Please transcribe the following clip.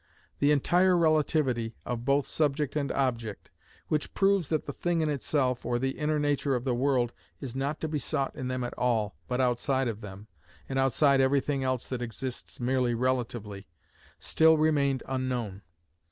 The entire relativity of both subject and object, which proves that the thing in itself, or the inner nature of the world, is not to be sought in them at all, but outside of them, and outside everything else that exists merely relatively, still remained unknown.